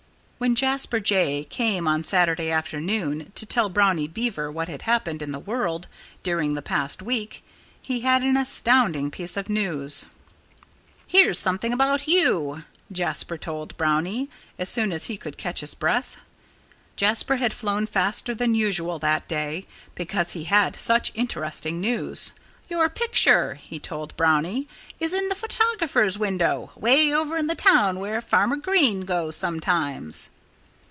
When Jasper Jay came on Saturday afternoon to tell Brownie Beaver what had happened in the world during the past week he had an astounding piece of news. "Here's something about you," Jasper told Brownie, as soon as he could catch his breath. Jasper had flown faster than usual that day, because he had such interesting news. "Your picture," he told Brownie, "is in the photographer's window, way over in the town where Farmer Green goes sometimes."